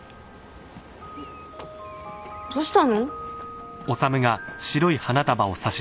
どしたの？